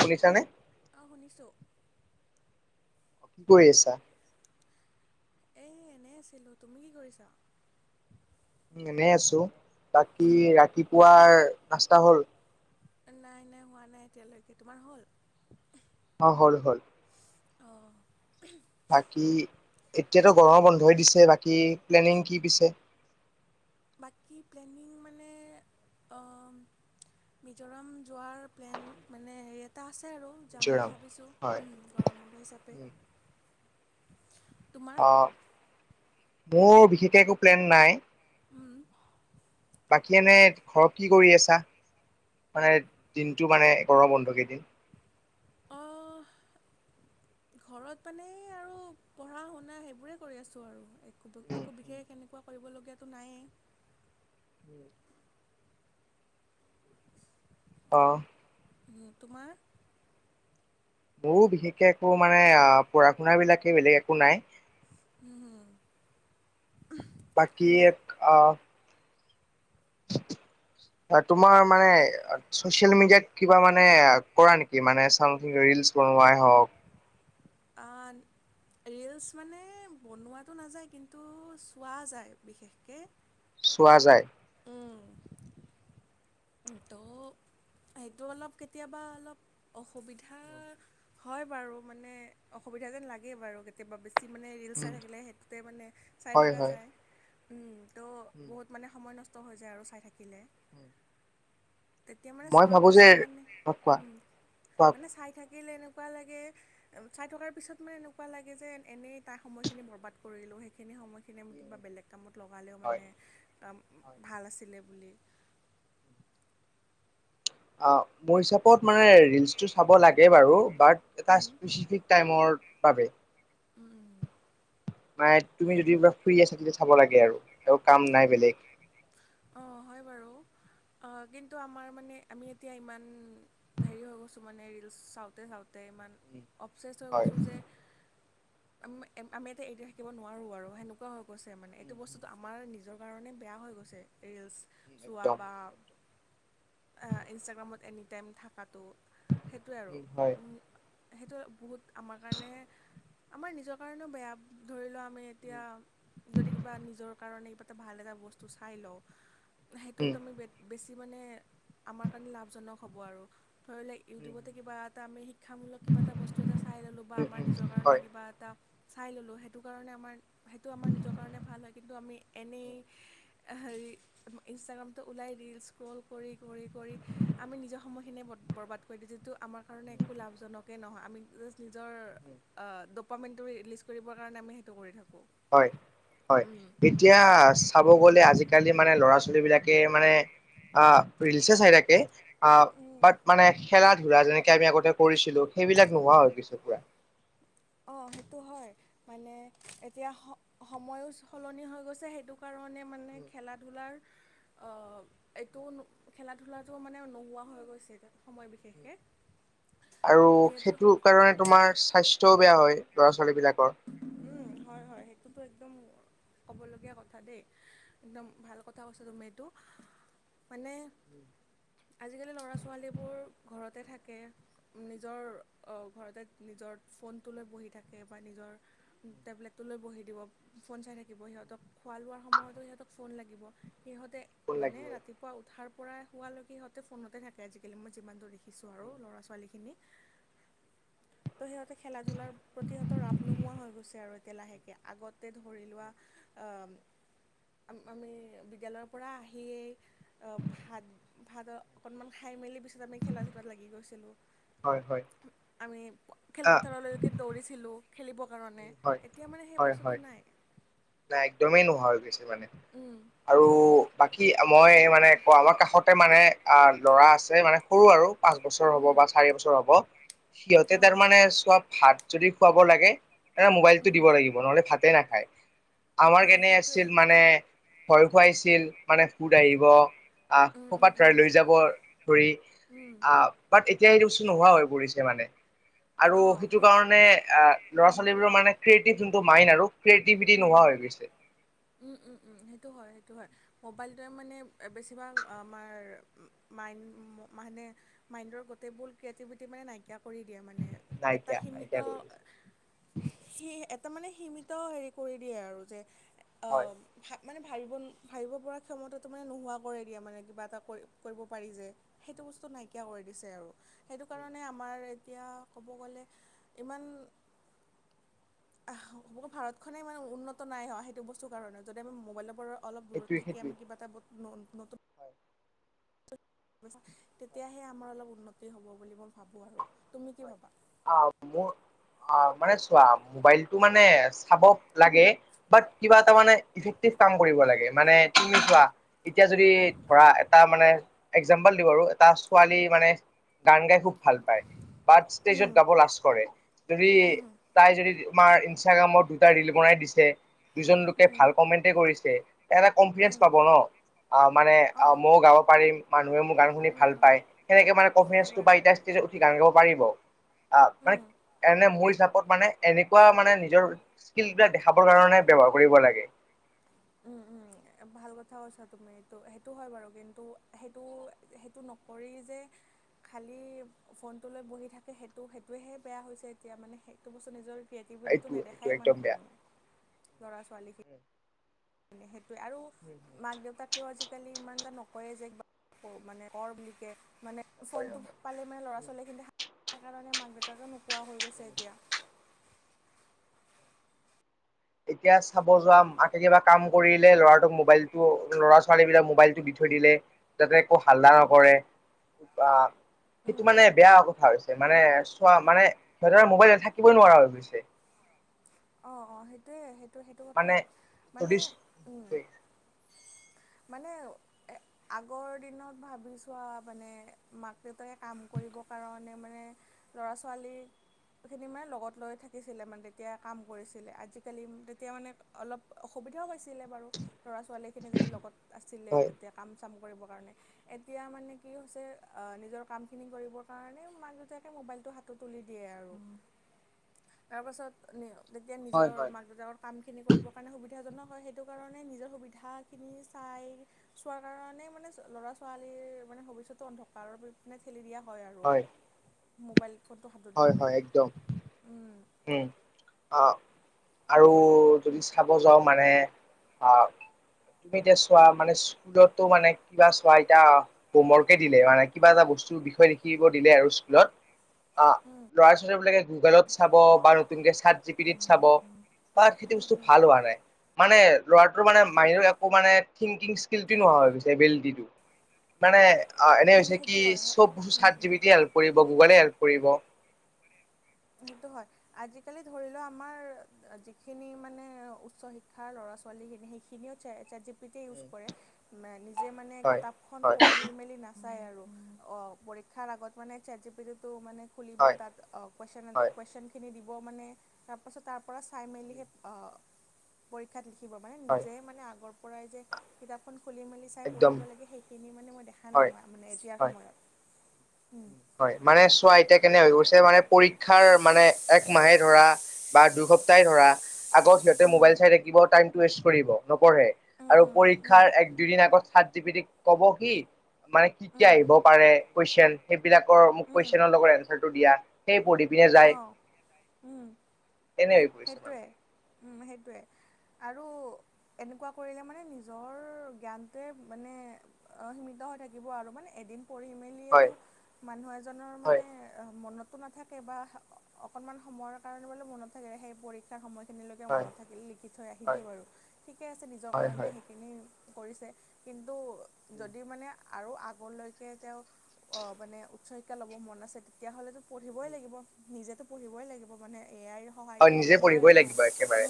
শুনিছানে? অঁ শুনিছোঁ। কি কৰি আছা? এই এনেই আছিলোঁ। তুমি কি কৰিছা? এনেই আছো। বাকী ৰাতিপুৱাৰ নাস্তা হ'ল? নাই নাই হোৱা নাই এতিয়ালৈকে। তোমাৰ হ'ল? অঁ হ'ল হ'ল। অঁ বাকী এতিয়াতো গৰম বন্ধই দিছে বাকী, প্লেনিং কি পিছে? বাকী প্লেনিং মানে, আহ মিজোৰাম যোৱাৰ প্লেন মানে হেৰিত এটা আছে আৰু যাম বুলি মিজোৰাম? ভাবিছোঁ, হয়। গৰম বন্ধ হিচাপে উম, তোমাৰ অঁ, মোৰ বিশেষকৈ একো প্লেন নাই। উম বাকী এনে ঘৰক কি কৰি আছা? মানে দিনটো মানে গৰম বন্ধ কেইদিন? অঁ ঘৰত মানে এই আৰু পঢ়া শুনা সেইবোৰেই কৰি আছোঁ আৰু, একো উম, একো উম। বিশেষ এনেকুৱা কৰিবলগীয়াটো নায়েই। উম [inaudible] অ উম। তোমাৰ? মোৰো বিশেষকৈ একো মানে পঢ়া শুনাবিলাকেই বেলেগ একো নাই। হু হু বাকী আহ [inaudible] তোমাৰ মানে চচিয়েল মিডিয়াত কিবা মানে কৰা নেকি? মানে চ ৰিলচ কনোৱাই হওক অন ৰিলচ মানে বনোৱাটো নাযায়, কিন্তু চোৱা যায় বিশেষকৈ চোৱা যায়? উম তো সেইটো অলপ কেতিয়াবা অলপ অসুবিধা হয় বাৰু মানে, অসুবিধা যেন লাগেই বাৰু কেতিয়াবা বেছি মানে ৰিলচ চাই উম থাকিলে সেইটোতে মানে চাই হয় থকা হয় যায়। ত' উম বহুত মানে সময় নষ্ট হৈ যায় আৰু চাই থাকিলে। উম। তেতিয়া মানে মই চোৱাৰ ভাবো যে পাছত মানে, অ', কোৱা উম, কোৱা মানে চাই থাকিলে এনেকুৱা লাগে চাই থকাৰ পিছত মানে এনেকুৱা লাগে যে এনেই তাই সময়খিনি বৰবাদ কৰিলো সেইখিনি সময়খিনি ম উম, কিবা বেলেগ কামত লগালেও হয় মানে কাম ভাল আছিলে বুলি। অ মোৰ হিচাপত মানে ৰিলচটো চাব লাগে বাৰু বাত এটা উম, স্পেচিফিক টাইমৰ বাবে উম উম নাই তুমি যদি বা ফ্ৰী আছা তেতিয়া চাব লাগে আৰু আৰু কাম নাই বেলেগ। অ হয় বাৰু। অ কিন্তু আমাৰ মানে আমি এতিয়া ইমান হেৰি হৈ গৈছোঁ মানে ৰিলচ চাওঁতে চাওঁতে ইমান উম, অবচেছ হৈ হয় গৈছোঁ যে উম এম আম আমি এতিয়া এইদি থাকিব নোৱাৰোঁ আৰু সেনেকুৱা হৈ গৈছে মানে এইটো উম, উম, বস্তুটো আমাৰ নিজৰ কাৰণে বেয়া হৈ গৈছে। ৰিলচ উম, চোৱা একদম বা আ ইনষ্টাগ্ৰামত এনি টাইম থকাটো সেইটোৱে আৰু। উম, হয় সেইটো বহুত আমাৰ কাৰণে আমাৰ নিজৰ কাৰণেও বেয়া ধৰি লোৱা মে এতিয়া উম, যদি কিবা নিজৰ কাৰণে কিবা এটা ভাল এটা বস্তু চাই লওঁ। উম, সেইটোত আমি বে বেছি মানে আমাৰ কাৰণে লাভজনক হ'ব আৰু ধৰি লেই উম, ইউটিউবতে কিবা এটা আমি শিক্ষামূলক কিবা এটা বস্তু এটা চাই ল'লোঁ বা উম, আমাৰ উম, নিজৰ কাৰণে হয় কিবা এটা চাই ল'লোঁ সেইটো কাৰণে আমাৰ সেইটো আমাৰ নিজৰ কাৰণে ভাল হয় কিন্তু আমি এনেই উম। হেৰি ইনষ্টাগ্ৰামটো ওলাই ৰিলস্ক্ৰল কৰি কৰি কৰি আমি নিজৰ সময়খিনিয়ে বত বৰবাদ কৈ দিছে টো আমাৰ কাৰণে একো লাভজনকেই নহয় আমি জাষ্ট নিজৰ আ দব পামেণ্টৰি লিষ্ট কৰিবৰ কাৰণে আমি সেইটো কৰি থাকোঁ। হয় হয় উম এতিয়া চাব গ'লে আজি-কালি মানে ল'ৰা ছোৱালীবিলাক কে মানে আ ৰিলছে চাই থাকে আহ বাট মানে খেলা-ধূলা যেনেকে আমি আগতে কৰিছিলো সেইবিলাক নোহোৱা হৈ গৈছে পুৰা। অ সেইটো হয়। মানে এতিয়া স সময়ো সলনি হৈ গৈছে সেইটো কাৰণে মানে খেলাত ধূলাৰ অ এইটো নো খেলা ধূলাটোও মানে নোহোৱা হৈ গৈছে এতিয়া আৰু যিহেতু সেইটো কাৰণে তোমাৰ স্বাস্থ্যও বেয়া হয় ল'ৰা ছোৱালীবিলাকৰ। উম হয় হয় সেইটোতো একদম ক'বলগীয়া কথা দেই একদম ভাল কথা কৈছা তুমি এইটো। মানে আজি-কালি ল'ৰা ছোৱালীবোৰ ঘৰতে থাকে। নিজৰ অ ঘৰতে নিজৰ ফোনটো লৈ বহি থাকে বা নিজৰ টেবলেটটো লৈ বহি দিব ফোন চাই থাকিব সিহঁতক খোৱা লোৱাৰ সময়তো সিহঁতক ফোন লাগিব। সিহঁতে ফোন মানে লাগিবই ৰাতি- পোৱা উঠাৰ পৰা হোৱালৈকি সিহঁতে ফোনতে থাকে আজি-কালি মই যিমান দূৰ দেখিছোঁ আৰু ল'ৰা-ছোৱালীখিনি ত' সিহঁতে খেলা-ধূলাৰ প্ৰতি সিহঁতৰ ৰাপ নোহোৱা হৈ গৈছে আৰু এতিয়া লাহেকে আগতে ধৰি লোৱা আ- আম আমি বিদ্যালয়ৰ পৰা আহিয়েই অ ভাত ভাত অকণমান খাই মেলি পিছত আমি খেলা-ধূলাত লাগি গৈছিলোঁ। হয় হয়। আমি আহ খেলপথাৰলৈকে দৌৰিছিলোঁ খেলিব- কাৰণে হয় এতিয়া মানে সেই হয় হয় বস্তুটো নাই। নাই একদমেই নোহোৱা হৈ গৈছে মানে উম, আৰু বাকী মই মানে কওঁ আমাৰ কাষতে মানে আ ল'ৰা আছে মানে সৰু আৰু পাঁচ বছৰ হ'ব উম, বা চাৰি বছৰ হ'ব সিহঁতে অঁ তাৰমানানে চোৱাপ- ভাত যদি খুৱাব লাগে মোবাইলতটো উম, দিব লাগিব নহ'লে ভাতেই নাখায়। আমাৰ অঁ কেনে সেইটোৱে আছিল মানে ভয় খুৱাইছিল মানে ভুত আহিব আহ উম, উম, উম, সোপাধৰাই লৈ যাব ধৰি, উম বাট এতিয়া সেইটো বস্তু নোহোৱা হৈ পৰিছে মানে আৰু অঁ সেইটো সেই কাৰণে আহ ল'ৰা উম, ছোৱালীবোৰৰ ক্ৰিয়েটিভ যোনটো মাইণ্ড আৰু ক্ৰিয়েটিভিটি উম। নোহোৱা হৈ গৈছে। উম উম উম সেইটো হয় সেইটো হয়। মোবাইলটোৱে মানে বেছিভাগ আমাৰ মাইণ্ড মানে মাইণ্ডৰ গোটেইবোৰ ক্ৰিয়েটিভিটি মানে নাইকিয়া কৰি দিয়ে মানে। এটা নাইকিয়া সীমিত নাইকিয়া কৰি দিছে সি এটা মানে সীমিত হেৰি কৰি দিয়ে আৰু যে হয় ভা মানে ভাবিব ভাবিব পৰা ক্ষমতাটো মানে নোহোৱা কৰে দিয়া মানে কিবা এটা কৰি কৰিব পাৰি যে। সেইটো বস্তু নাইকিয়া কৰি দিছে আৰু। সেইটো কাৰণে আমাৰ এতিয়া ক'ব গ'লে ইমান আহ ভাৰতখনেই ইমান উন্নত নাই হোৱা সেইটো বস্তুৰ কাৰণে যদি আমি মোবাইলৰ পৰা অলপ দূৰত সেইটোৱে থাকি সেইটোৱে আমি কিবা এটা ন-নতুন হয়। হয় তেতিয়াহে আমাৰ অলপ উন্নতি হ'ব বুলি মই ভাবোঁ আৰু। তুমি হয় কি ভাবা? আহ মোৰ অ মানে চোৱা মোবাইলটো মানে চাব লাগে বাত কিবা এটা মানে ইফেক্টি কাম কৰিব লাগে, মানে তুমি চোৱা এতিয়া যদি ধৰা এটা মানে একজাম্পল দিওঁ বাৰু এটা ছোৱালী মানে গান গাই খুব ভাল পায় বা ষ্টেজত গাব লাজ কৰে, যদি তাই যদি তোমাৰ ইনষ্টাগ্ৰামত দুটা ৰিল বনাই দিছে দুজন লোকে ভাল কমেণ্টেই কৰিছে তাৰে কনফিডেঞ্চ উম, পাব ন। অ মানে অ অঁ মইও গাব পাৰিম, মানুহে মোৰ গান শুনি উম, ভাল উম, পায়। সেনেকে মানে হয় কনফিডেটো বাৰু। পাই উঠি গান গাব পাৰিব। আহ মানে উম, এনে মোৰ হিচাপত মানে এনেকুৱা মানে নিজৰ স্কিলতা দেখাবৰ কাৰণে ব্যৱহাৰ কৰিব লাগে। উম, উম, ভাল কথা কৈছা তুমিটো সেইটো হয় বাৰু। কিন্তু সেইটো সেইটো নকৰি যে খালী ফোনটো লৈ বহি থাকে সেইটো সেইটোহে বেয়া হৈছে এতিয়া মানে সেইটো বস্তু নিজৰ এইটো [unintelligible] এইটো নেদেখায় একদম বেয়া। মানুহখিনিয়ে ল'ৰা ছোৱালীখিনি সেইটোৱে আৰু মাক দেউতাক ক আজিকালি ইমান এটা নকয়ে যে মানে কৰ বুলি কে মানে ফোনটো পালে মানে ল'ৰা ছোৱালী কিন্তু কাৰণে মাক দেউতাকো নোপোৱা হৈ গৈছে এতিয়া। এতিয়া চাব যোৱা মাকে কিবা কাম কৰিলে ল'ৰাটোক মোবাইলটো ল'ৰা-ছোৱালী বিলাক মোবাইলটো দি থৈ দিলে, যাতে একো হাল্লা নকৰে আহ সেইটো মানে বেয়া কথা হৈছে, মানে চোৱা মানে সিহঁতৰ মোবাইল থাকিবই নোৱাৰা হৈ গৈছে। অ অ সেইটোৱে সেইটো সেইটো মানে কথাই মানে যদি মানে আগৰ দিনত ভাবি চোৱা মানে মাক-দেউতাকে কাম কৰিবৰ কাৰণে মানে ল'ৰা-ছোৱালীখিনি মানে লগত লৈ থাকিছিলে মানে তেতিয়া কাম কৰিছিলে। আজিকালি তেতিয়া মানে অলপ অসুবিধাও পাইছিলে বাৰু ল'ৰা-ছোৱালীখিনি যেতিয়া লগত আছিলে হয় তেতিয়া কাম চাম কৰিবৰ কাৰণে। এতিয়া মানে কি হৈছে নিজৰ কামখিনি কৰিবৰ কাৰণে মাক দেউতাকে মোবাইলটো হা হাতত তুলিদিয়ে আৰু তাৰপিছত যেতিয়া হয় নিজৰ হয় মাক দেউতাকৰ কামখিনি কৰিবৰ কাৰণে সুবিধাজনক হয় সেইটো কাৰণে নিজৰ সুবিধাখিনি চাই চোৱাৰ কাৰণে মানে ল'ৰা ছোৱালীৰ মানে ভৱিষ্যতটো অন্ধকাৰ নে ঠেলি দিয়া হয় আৰু মোবাইল ফোনটো হাতত দি হয় হয় মেলি একদম হুম আৰু যদি চাব যাওঁ মানে তুমি এতিয়া চোৱা মানে স্কুলতো মানে কিবা চোৱা এতিয়া হোমৱৰ্ককে দিলে মানে কিবা এটা বস্তুৰ বিষয় লিখিব দিলে আৰু স্কুলত ল'ৰা ছোৱালীবিলাকে গুগলত চাব বা নতুনকৈ চাৰ্ট জি পিটিত চাব তাত সেইটো বস্তু ভাল হোৱা নাই মানে ল'ৰাটোৰ মানে মাইন্দৰ একো মানে থংকিং স্কিলটো নোহোৱা হৈ গৈ এবিলিটিটো মানে অ এনেই হৈছে কি সেইটো চব বস্তু হয় চাদজিবিটিয়ে হেল্প কৰিব গুগলে হেল্প কৰিব সেইটো হয় আজিকালি ধৰি লও আমাৰ যিখিনি মানে উচ্চ শিক্ষাৰ ল'ৰা ছোৱালীখিনি সেই খিনিও জিপিতে ইউজ কৰে নিজে মানে হয় কিতাপখন হয় পঢ়ি মেলি না নাচাই আৰু অ পৰীক্ষাৰ আগত মানে চাদজিপিটো মানে খুলিব হয় তাত হয় কৈছনখিনি দিব মানে তাৰপাছত তাৰ পৰা চাই মেলি সেই পৰীক্ষাত লিখিব মানে হয় নিজে মানে আগৰ পৰাই যে কিতাপখন খুলি মেলি চাই একদম পঢ়িব লাগে সেই সিনি মানে মই দেখা নাই হয় মই মানে এতিয়াৰ হয় সময়ত হয় মানে চোৱা এতিয়া কেনে হৈ গৈছে মানে পৰীক্ষাৰ মানে এক মাহে ধৰা বা দুই সপ্তাহেই ধৰা আগত সিহঁতে উম মোবাইল চাই থাকিবা টাইম ৱেষ্ট কৰিব নপঢ়ে উম আৰু উম উম পৰীক্ষাৰ এক দুদিন আগত চাৰ্টজিবিটিক কব কি মানে মানে কি উম কি উম আহিব পাৰে কিউশ্যন সেইবিলাকৰ মোক উম কুৱেশনৰ লগত এনচাৰটো দিয়া সেই পঢ়ি পিনে যায় অ', উম, তেনে হৈ পৰিছে মানে সেইটোৱে সেইটোৱে আৰু এনেকুৱা কৰিলে মানে নিজৰ জ্ঞানটোৱে মানে অ সীমিত হৈ থাকিব আৰু মানে এদিন পঢ়ি মেলি হয় মেলিয়েটো মানু্হএজনৰ হয় মানে মনত নাথাকে বা অকণমান সময়ৰ কাৰণে বোলে মনত থাকে সেই পৰীক্ষাৰ সময়ত সেইখিনিলৈকে হয় মনত থাকিলে লিখি থৈ আহিলেই হয় বাৰু ঠিকে আছে নিজৰ হয় হয় কাৰণে হয় সেইখিনি কৰিছে কিন্তু যদি মানে আৰু আগলৈকে তেওঁ অ মানে উচ্চ শিক্ষা লব মন আছে তেতিয়াহ'লেতো পঢ়িবই লাগিব নিজেতো পঢ়িবই লাগিব মানে এ আইৰ সহায় হয় নিজে পঢ়িবই লাগিব একেবাৰে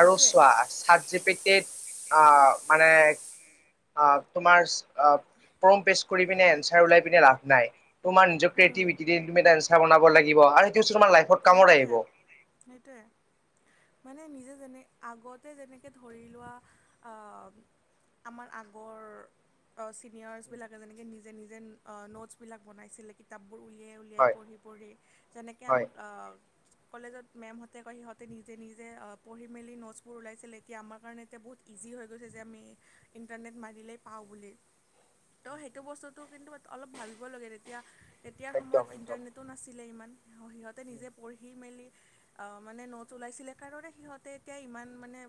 আৰু চোৱা ছাতজিপিটিড অ মানে তোমাৰ ফম পেচ কৰি পিনে অঞ্চাৰ ওলাই পিনে লাভ নাই তোমাৰ নিজৰ ক্ৰিয়েটিভিটিম এটা আঞ্চাৰ বনাব লাগিব আৰু সেইটো তুমাৰ লাইফত কামত আহিব। সেইটোৱে সেইটোৱে মানে নিজে যেনে আগতে যেনেকে ধৰি লোৱা আমাৰ আগৰ অ চিনিয়ৰচ বিলাকে যেনেকে নিজে নিজে নোটছ বিলাক বনাইছিলে কিতাপ বোৰ উলিয়াই উল উিয়াই হয় পঢ়ি পঢ়ি যেনেকে হয়। আমাক অ কলেজত মেমহঁতে কয় সিহঁতে নিজে নিজে পঢ়ি মেলি নোটছবোৰ ওলাইছিলে এতিয়া আমাৰ কাৰণে এতিয়া বহুত ইজি হৈ গৈছে যে আমি ইণ্টাৰনেট মাৰিলেই পাওঁ বুলি ত সেইটো বস্তুটো কিন্তু অলপ ভালিব লাগে তেতিয়া তেতিয়াৰ সময়ত একদম একদম। ইণ্টাৰনেটো নাছিলে ইমান সিহঁতে নিজে পঢ়ি মেলি মানে নট ওলাইছিলে কাৰণে সিহঁতে এতিয়া ইমান মানে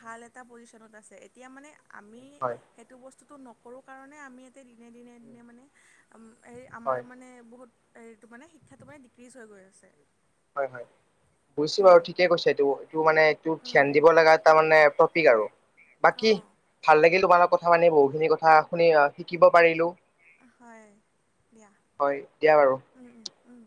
ভাল এটা পজিচনত আছে। এতিয়া মানে আমি হয় সেইটো বস্তুটো নকৰোঁ কাৰণে আমি ইয়াতে দিনে দিনে দিনে মানে আম এই আমাৰ হয়। মানে বহুত হেৰিটো মানে শিক্ষাটো মানে ডিক্ৰীজ হৈ গৈ আছে। হয় হয়। বুজিছোঁ উম, বাৰু ঠিকে কৈছা এইটো, এইটো মানে এটো ধ্যান দিব লগা এটা মানে টপিক আৰু। [unintelligible] বাকী অ। ভাল লাগিল তোমাল কথা পানি বহুখিনি কথা শুনি শিকিব পাৰিলো। হয় দিয়া হয় দিয়া বাৰু। উম উম উম।